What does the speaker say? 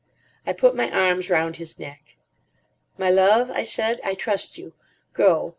I put my arms round his neck. "My love," I said, "I trust you. Go.